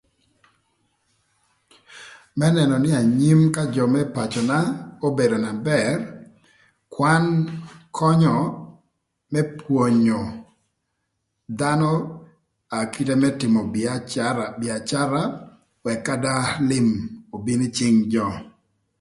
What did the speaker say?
Më nënö nï anyim ka jö më pacöna obedo na bër, kwan könyö më pwonyo dhanö aa ï kite më tïmö bïacara ëk adyer lïm obin ï cïng jö.